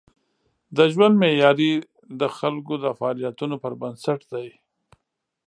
د ژوند معیاري د خلکو د فعالیتونو پر بنسټ دی.